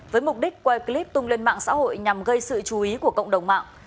với mục đích quay clip tung lên mạng xã hội nhằm gây sự chú ý của cộng đồng mạng